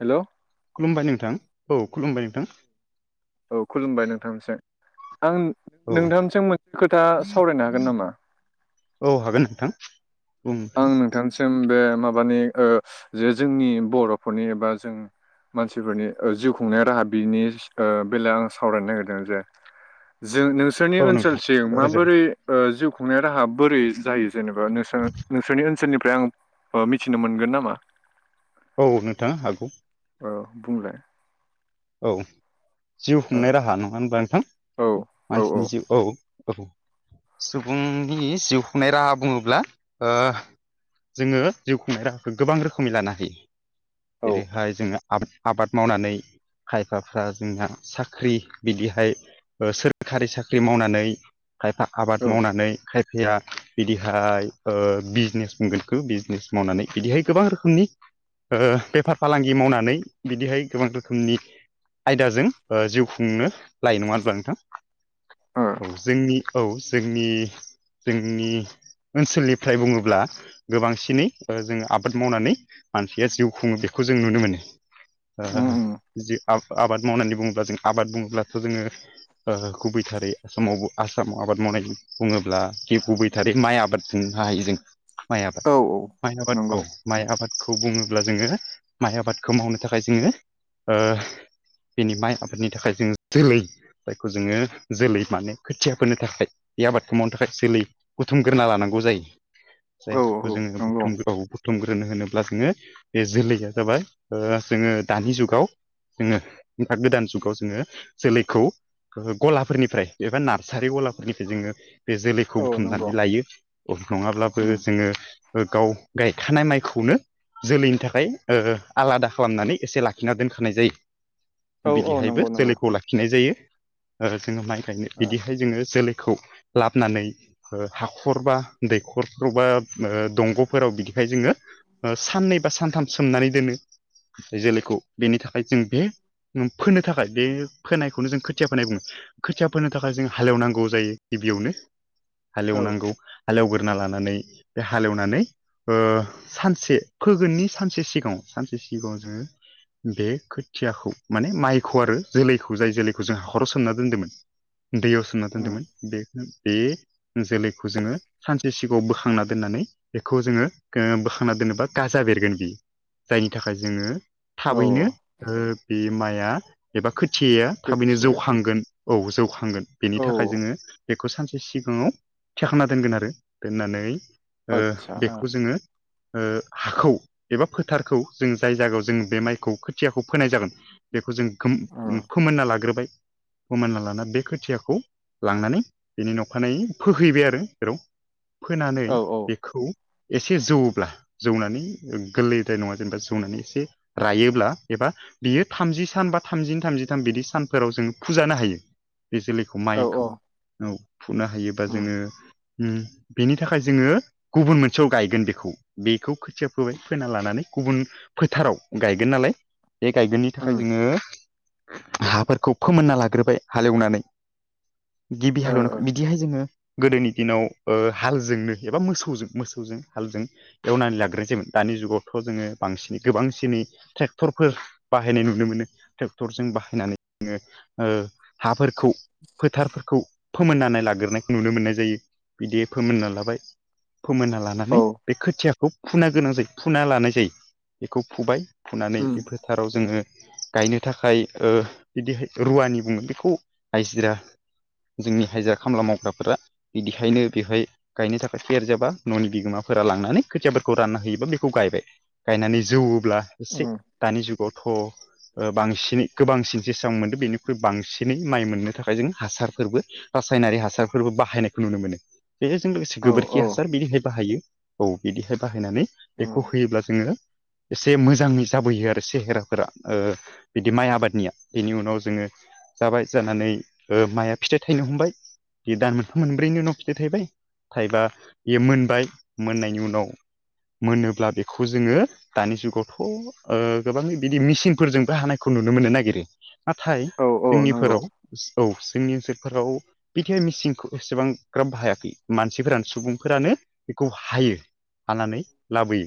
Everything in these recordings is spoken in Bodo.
हेलौ। खुलुमबाय नोंथां। औ खुलुमबाय नोंथां। औ खुलुमबाय नोंथांनिसाय। आं औ नोंथांनिसेम मोनसे खोथा सावरायनो हागोन नामा? औ हागोन नोंथां। बुं नोंथां आं नोंथांसिम बे माबानि ओ जे जोंनि बर'फोरनि एबा जों मानसिफोरनि ओ जिउ खुंनाय राहा बिनि ओ बेलायाव आं सावरायनो नागिरदों। जे जोंनो नोंसोरनि औ नोंथां ओनसोलसिम रायजागोन माबोरै ओ जिउ खुंनाय राहा बोरै जायो जेनेबा नोंसोर नोंसोरनि ओनसोलनिफ्राय आं ओ मिथिनो मोनगोन नामा? औ नोंथां हागौ औ बुंलाय औ जिउ ओ खुंनाय राहा नङा होमब्ला नोंथां औ औ मानसिनि जिउ औ औ सुबुंनि जिउ खुंनाय राहा बुङोब्ला जोङो जिउ खुंनाय राहाखौ गोबां रोखोमै लानो हायो औ जेरैहाय जोङो आबाद आबाद मावनानै खायफाफ्रा जोंना साख्रि बिदिहाय ओ सोरखारि साख्रि मावनानै खायफा आबाद मावनानै खायफा या बिदिहाय बिजनेस मोनगोनखौ बिजनेस मावनानै बिदिहाय गोबां रोखोमनि ओ बेफार फालांगि मावनानै बिदिहाय गोबां रोखोमनि आयदाजों ओ जिउ खुंनो लायो नङा होनब्ला नोंथां औ जोंनि औ जोंनि जोंनि ओनसोलनिफ्राय बुङोब्ला गोबांसिनै ओ जोङो आबाद मावनानै मानसिया जिउ खुङो बेखौ जों नुनो मोनो ओ उम उम जि आबाद मावनानै बुङोब्ला जों आबाद बुङोब्लाथ' जोङो ओ गुबै‌ थारै आसामावबो आसामाव आबाद मावनायनायनि बुङोब्ला जे गुबै थारै माइ आबाद खुंनो हायो जों माइ आबाद औ औ माइ आबाद औ नंगौ माइ आबादखौ बुङोब्ला जोङो माइ आबादखौ मावनो थाखाय जोङो ओ बिनि माइ आबादनि थाखाय जों जोलै जायखौ जोङो जोलै माने खोथिया फोनो थाखाय बे आबादखौ मावनो थाखाय जोलै बुथुमग्रोना लानांगौ जायो औ जायफोरखौ औ जोङो नंगौ बुथुम औ बुथुमग्रोनो होनोब्ला जोङो बे जोलैया जाबाय ओ जोङो दानि जुगाव जोङो गोदान जुगाव जोङो जोलैखौ गलाफोरनिफ्राय एबा नार्सारि गलाफोरनिफ्राय जोङो बे जोलैखौ औ नंगौ बुथुमनानै लायो नङाब्लाबो उम जोङो ओ गाव गायखानाय माइखौनो जोलैनि थाखाय ओ आलादा खालामनानै एसे लाखिना दोनखा नाय जायो औ औ बिदिहायबो नंगौ नंगौ जोलैखौ लाखिनाय जायो जोङो माइ ओंखायनो ओ बिदिहाय जोङो जोलै खौ लाबोनानै हाखर बा दैखरफ्रावबा ओ दंग'फोराव बिदिहाय जोङो साननै बा सानथाम सोमनानै दोनो जोलैखौ बेनि थाखाय जों बे फोनो थाखाय बे फोनायखौनो जों खोथिया फोनाय बुङो खोथिया फोनो थाखाय जों हाले एवनांगौ जायो गिबियावनो औ हालएवनांगौ हालएवग्रोना लानानै बे हालएवनानै ओ सानसे फोगोननि सानसे सिगाङाव सानसे सिगाङाव जोङो बे खोथियाखौ माने माइखौ आरो जोलैखौ जाय जोलैखौ जों हाखराव सोमना दोनदोंमोन दैयाव सोमना उम दोनदोंमोन बे बे जोलैखौ जोङो सानसे सिगाङाव बोखांना दोननानै बेखौ जोङो बोखांना दोननोबा गाजा बेरगोन बियो जायनि थाखाय जोङो औ थाबैनो बे माइआ एबा खोथिया थाबैनो गोदसो जौखांगोन औ जौखांगोन बेनि औ थाखाय जोङो बेखौ सानसे सिगाङाव थिखांना दोनगोन आरो दोननानै ओ आदसा बेखौ जोङो हाखौ एबा फोथारखौ जों जाय जायगायाव जों बे माइखौ खोथियाखौ फोनाय जागोन बेखौ जों गोम ओ फोमोनना लाग्रोबाय फोमोनना लाना बे खोथियाखौ लांनानै बिनि नखानायै फोहैबाय आरो जेराव फोनानै ओ बेखौ एसे जौब्ला जौनानै गोरलैद्राय नङा जेनेबा जौनानै एसे रायोब्ला एबा बियो थामजि सान बा थामजिनि थामजिथाम बिदि सानफोराव जोङो फुजानो हायो बे जोलैखौ औ माइखौ औ औ फुनो हायोबा उम जोङो उम बेनि थाखाय जोङो गुबुन मोनसेयाव गायगोन बेखौ बेखौ खोथिया फोबाय फोना लानानै गुबुन फोथाराव गायगोन नालाय बे गायगोननि थाखाय उम जोङो हाफोरखौ फोमोनना लाग्रोबाय हाल एवनानै गिबि ओ हाल एवनायखौ बिदिहाय जोङो गोदोनि दिनाव ओ हालजोंनो एबा मोसौजों मोसौजों हालजों एवनानै लाग्रोनाय जायोमोन दानि जुगावथ' जोङो बांसिनै गोबांसिनै ट्रेक्टरफोर बाहायनाय नुनो मोनो ट्रेक्टरजों बाहायनानै जोङो ओ हाफोरखौ फोथारफोरखौ फोमोननानै लाग्रोनायखौ नुनो मोननाय जायो बिदि फोमोनना लाबाय फोमोनना ला ओ औ नानै बे खोथियाखौ फुना गोनां जायो फुना लानाय जायो बेखौ फुबाय फुनानै उम बेफोर फोथाराव जोङो गायनो थाखाय ओ बिदिहाय रुवानि बुङो बेखौ हाजिरा जोंनि हाजिरा खामला मावग्राफोरा बिदिहायनो बेवहाय गायनो थाखाय एरजोबा न'नि बिगोमाफोरा लांनानै खोथियाफोरखौ रानना होयोबा बेखौ गायबाय गायनानै जौवोब्ला एसे उम दानि जुगावथ' ओ बांसिनै गोबांसिन जेसां मोनदों बेनिख्रुइ बांसिनै माइ मोननो थाखाय जों हासारफोरबो रासायनारि हासारफोरबो बाहायनायखौ नुनो मोनो बेजों लोगोसे औ गोबोरखि औ हासार बिदिहाय बाहायो औ बिदिहाय बाहायनानै उम बेखौ होयोब्ला जोङो एसे मोजां मोजाङै जाबोयो आरो सेहेराफोरा बिदि माइ आबादनिया बिनि उनाव जोङो जाबाय जानानै ओ माया फिथाइ थायनो हमबाय बे दान मोनथाम मोनब्रैनि उनाव फिथाइ थाइबाय थाइबा बेयो मोनबाय मोननायनि उनाव मोनोब्ला बेखौ जोङो दानि जुगाव थ' ओ गोबां बिदि मेचिंफोरजोंबो हानायखौ नुनो मोननो नागिरो। नाथाय औ औ नंगौ जोंनिफोराव औ जोंनि ओनसोलफोराव बिथिंहाय मिचिंखौ एसेबां ग्राम बाहायाखै मानसिफोरानो सुबुंफोरानो बेखौ हायो। हानानै लाबोयो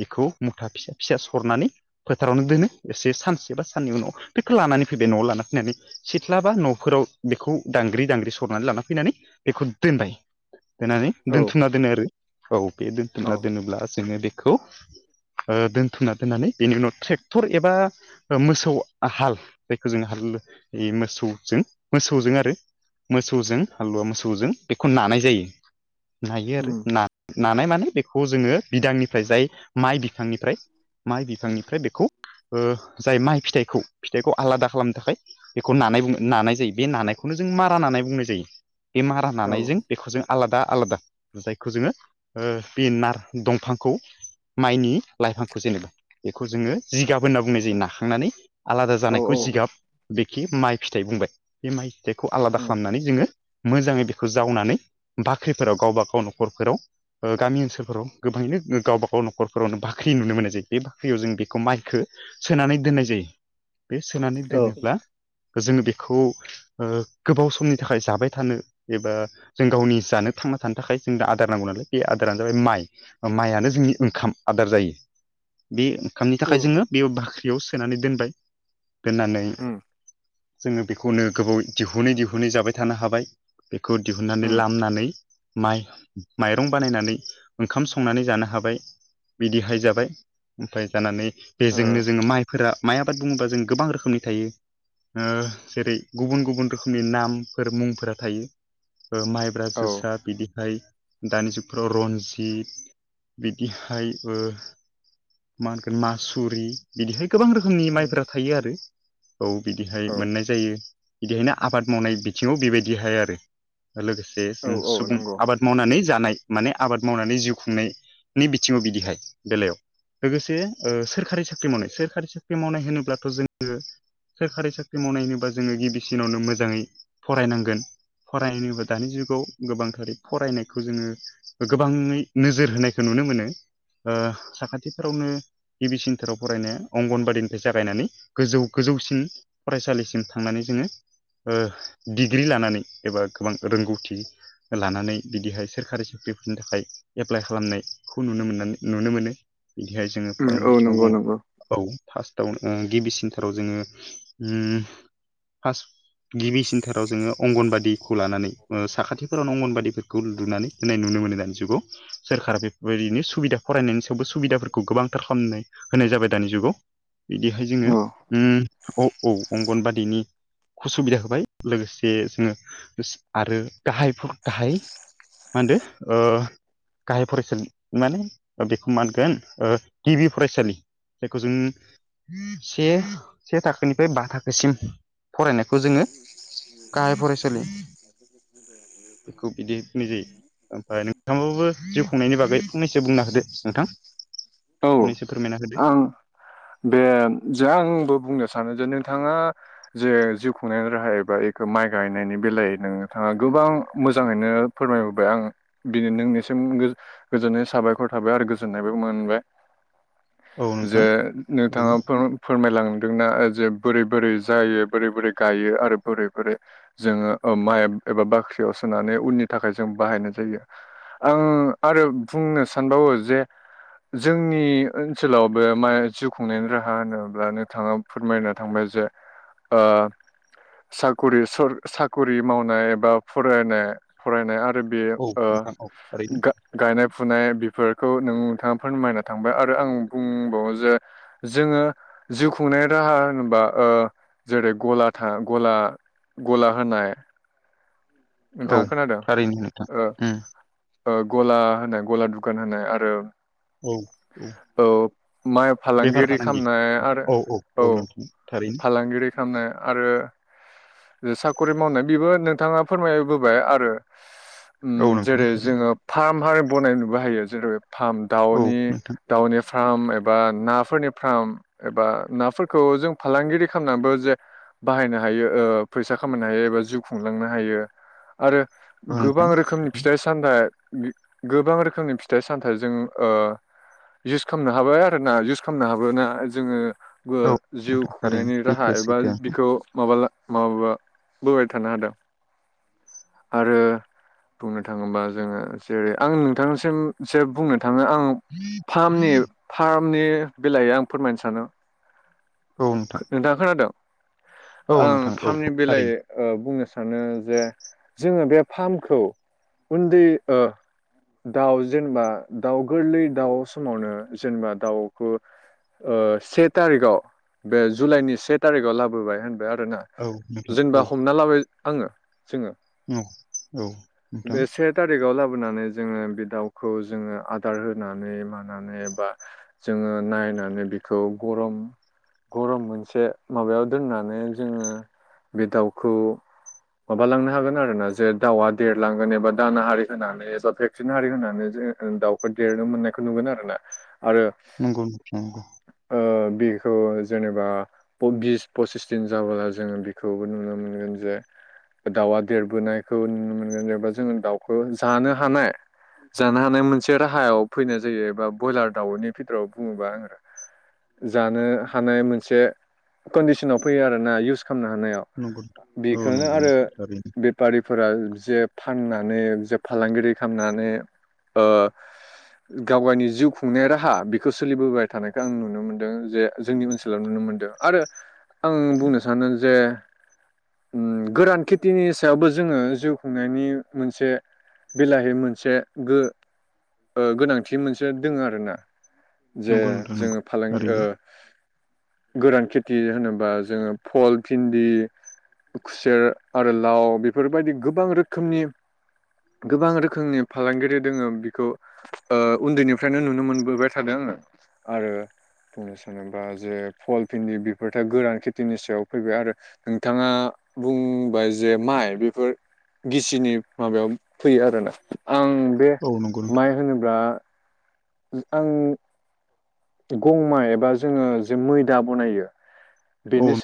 बेखौ मुथासा फिसा सरनानै फोथारावनो दोनो एसे सानसे बा सानैनि उनाव बेखौ लानानै फैबाय न'वाव लाना फैनानै सिथ्ला बा न'फोराव बेखौ दांग्रि दांग्रि सरनानै लाना फैनानै बेखौ दोनबाय होनानै औ दोन्थुमना दोनो आरो औ बे औ दोन्थुमना दोनोब्ला जोङो बे खौ ओ दोनथुमना दोननानै बेनि उनाव ट्रेक्टर एबा ओ मोसौ हाल जायखौ जों हाल मोसौजों मोसौजों आरो मोसौजों हालुवा मोसौजों बेखौ नानाय जायो नायो आरो उम नानाय माने बेखौ जोङो बिदांनिफ्राय जाय माइ बिफांनिफ्राय माइ बिफांनिफ्राय बेखौ ओ जाय माइ फिथाइखौ फिथाइखौ आलादा खालामनो थाखाय बेखौ नानाय नानाय जायो बे नानायखौनो जों मारा नानाय बुंनाय जायो। बे मारा औ नानायजों बेखौ जों आलादा आलादा जायखौ जोङो बे नार दंफांखौ माइनि लाइफां खौ जेनेबा बेखौ जोङो जिगाब होनना बुंनाय जायो नाखांनानै आलादा औ जानायखौ जिगाब बेखि माइ फिथाइ बुंबाय बे माइ फिथाइखौ आलादा उम खालामनानै जोङो मोजाङै बेखौ जावनानै बाख्रिफोराव गावबा गाव नखरफोराव ओ गामि ओनसोलफोराव गोबाङैनो गावबा गाव नखरफोरावनो बाख्रि बाख्रि नुनो मोननाय जायो बे बाख्रियाव जों बेखौ माइखौ सोनानै दोननाय जायो। बे सोनानै औ दोनोब्ला जोङो बेखौ ओ गोबाव समनि थाखाय जाबाय थानो एबा जों गावनि जानो थांना थानो थाखाय जोंनो आदार नांगौ नालाय बे आदारानो जाबाय माइ। ओ माइयानो जोंनि ओंखाम आदार जायो। बे ओंखामनि थाखाय जोङो बेयाव बाख्रियाव सोनानै दोनबाय दोननानै उम जोङो बेखौनो गोबाव दिहुनै दिहुनै जाबाय थानो हाबाय बेखौ दिहुननानै उम लामनानै माइ माइरं बानायनानै ओंखाम संनानै जानो हाबाय बिदिहाय जा जाबाय ओमफ्राय जानानै ओ बेजोंनो जोङो माइफोरा माइ आबाद बुङोबा जों गोबां रोखोमनि थायो ओ जेरै गुबुन गुबुन रोखोमनि नामफोर मुंफोरा थायो। ओ माइब्रा औ जोसा बिदिहाय दानि जुगफोराव रन्जित बिदिहायबो मा होनगोन मासुरि बिदिहाय गोबां रोखोमनि औ माइफोरा थायो आरो। औ बिदिहाय औ मोननाय जायो बिदिहायनो आबाद मावनाय बिथिङाव बेबायदिहाय आरो लोगोसे औ जों औ सुबुं नंगौ आबाद मावनानै जानाय माने आबाद मावनानै जिउ खुंनायनि बिथिङाव बिदिहाय बेलायाव लोगोसे ओ सोरखारि साख्रि मावनाय सोरखारि साख्रि मावनाय होनोब्लाथ' जोङो सोरखारि साख्रि मावनाय होनोबा जोङो गिबिसिनावनो मोजाङै फरायनांगोन फरायनोबा दानि जुगाव गोबांथारै फरायनायखौ जोङो ओ गोबाङै नोजोर होनायखौ नुनो मोनो ओ साखाथिफोरावनो गिबि सिनथाराव फरायनाया अंगनबादिनिफ्राय जागायनानै गोजौ गोजौसिन फरायसालिसिम थांनानै जोङो ओ डिग्रि लानानै एबा गोबां रोंगौथि ओ लानानै बिदिहाय सोरखारि साख्रिफोरनि थाखाय एप्लाइ खालामनायखौ नुनो मोननानै नुनो मोनो बिनिहाय जोङो उम फरायनाय औ बिथिङाव नंगौ बुङो नंगौ औ फार्स्टआव ओ गिबिसिनथाराव जोङो फास्ट गिबिसिनथाराव जोङो अंगनबादिखौ लानानै ओ साखाथिफोरावनो अंगनबादि खौ लुनानै होनाय नुनो मोनो दानि जुगाव सोरखारा बेफोर बायदिनो सुबिदा फरायनायनि थेवबो सुबिदाफोरखौ गोबांथार खालामनाय होनाय जाबाय दानि जुगाव बिदिहाय जोङो औ ओम औ औ अंगनबादिनि उसुबिदा होबाय लोगोसे उम जोङो आरो गाहायफोर गाहाय मा होनदो ओ गाहाय फरायसालि माने बेखौ मा होनगोन ओ गिबि फरायसालि जायखौ जों से-से थाखोनिफ्राय बा थाखोसिम फरायनायखौ जोङो गाहाय फरायसालि बेखौ बिदि बुंनाय जायो। ओमफ्राय नोंथाङाबो जिउ खुंनायनि बागै फंनैसो बुंनो होदो। नोंथां औ फंनैसो फोरमायना होदो। आं बे जे आंबो बुंनो सानो जे नोंथाङा जे जिउ खुंनायनि राहा एबा बेखौ माइ गायनायनि बेलायै नोंथाङा गोबां मोजाङैनो फोरमाय हरबाय आं बिनो नोंनिसिम गोजोननाय साबायखर थाबाय आरो गोजोननायबो मोनबाय औ जे नोंथां। नोंथाङा ओरैनो फोर फोरमायलांदोंना जे बोरै बोरै जायो बोरै बोरै गायो आरो बोरै बोरै जोङो ओ माइ एबा बाख्रियाव सोनानै उननि थाखाय जों बाहायनाय जायो। आं आरो बुंनो सानबावो जे जोंनि ओनसोलावबो मा जिउ खु खुंनायनि राहा होनोब्ला नोंथाङा फोरमायनो थांबाय जे ओ साखरि सर साखरि मावनाय एबा फरायनाय फरायनाय आरो बे औ ओ नोंथां औ थारैनो गा गायनाय- फुनाय बेफोरखौ नोंथाङा फोरमायना थांबाय आरो आं बुंबावो जे जोङो जिउ खुंनाय राहा होनोबा ओ जेरै गला था गला गला होनाय औ नोंथाङा खोनादों थारैनो नोंथां औ उम ओ गला होनो गला दुखान होनोआरो औ-औ माइ फालांगिरि खालामनाय आरो औ औ नोंथां थारैनो फालांगिरि खालामनाय आरो साखरि मावनाय बेबो नोंथाङा फोरमायबोबाय आरो औ नोंथां जेरै थारैनो जोङो फार्म आरो बनायनोबो हायो जेरै फार्म औ दाउनि नोंथां दाउनि फार्म एबा नाफोरनि फार्म एबा नाफोरखौ जों फालांगिरि खालामनानैबो जे बाहायनो हायो फैसा खामायनो हायो एबा जिउ खुंलांनो हायो आरो औ गोबां नोंथां रोखोमनि थारैनो फिथाइ सामथाइ गोबां रोखोमनि फिथाइ सामथाइ जों ओ इउस खालामनो हाबाय आरो ना इउस खालामनो हाबो ना जोङो ओ औ जिउ नोंथां थारैनो खुंनायनि राहा सैथो एबा सैथो बिखौ माबा माबा बोबाय थानो हादों आरो बुंनो थाङोबा जोङो जेरै आं नोंथांनिसिमसो बुंनो थाङो आं [inaudible] फारामनि फारामनि बेलायै आं फोरमायनो सानो औ नोंथां नोंथाङा खोनादों औ आं नोंथां औ फारमनि थारैनो बेलायाव बुंनो सानो जे जोङो बे फार्मखौ उन्दै ओ दाउ जेनेबा दाउ गोरलै दाउ समावनो जेनेबा दाउखौ ओ से थारिखआव बे जुलाइनि से थारिखआव लाबोबाय होनबाय आरोना औ नोंथां जेनेबा औ हमना लाबाय आङो जोङो औ औ नोंथां बे से थारिखाव लाबोनानै जोङो बे दाउखौ जोङो आदार होनानै मानानै बा जोङो नायनानै बिखौ गरम गरम मोनसे माबायाव दोननानै जोङो बे दाउखौ माबालांनो हागोन आरोना जे दाउआ देरलांगोन एबा दाना हारि होनानै एबा भेक्टन हारि होनानै जों दाउ देरनो मोननायखौ नुगोन आरो ना आरो नंगौ नंगौ ओ बेखौ जेनेबा बिस फसिस दिन जाबोला जोङो बेखौबो नुनो मोनगोन जे दाउआ देरबोनायखौ नुनो मोनगोन जेनेबा जोङो दाउखौ जानो हानाय जानो हानाय मोनसे राहायाव फैनाय जायो एबा ब्रयलार दाउनि बिथोराव बुङोबा आङो जानो हानाय मोनसे कन्डिसनाव फैयो आरोना इउस खालामनो हानायाव नंगौ नोंथां औ बेखौनो नंगौ आरो नोंथां थारैनो बेफारिफोरा जे फाननानै जे फालांगिरि खालामनानै ओ गाव गावनि जिउ खुंनाय राहा बेखौ सोलिबोबाय थानायखौ आं नुनो मोनदों जे जोंनि ओनसोलाव नुनो मोन्दों आरो ओम आं बुंनो सानो जे ओम गोरान खि थिनि सायावबो जोङो जिउ खुंनायनि मोनसे बेलाहि मोनसे गो ओ गोनांथि मोनसे दङ आरोना जे नंगौ नोंथां नंगौ जोङो फालांगि थारैनो ओ गोरान खेथि होनोबा जोङो फल भिन्दि खुसेर आरो लाव बेफोरबायदि गोबां रोखोमनि गोबां रोखोमनि फालांगिरि दोङो बेखौ उनदैनिफ्रायनो नुनो मोनबोबाय थादों आरो बुंनो सानोबा जे फल फिनदि बेफोरथ गोरान खेथिनि सायाव फैबाय आरो नोंथाङा बुं बाय जे माइ बेफोर गिसिनि माबायाव फैयो आरोना आं बे औ नंगौ नोंथां माइ होनोब्ला आं गम एबा जोङो जे मैदा बनायो औ बेनि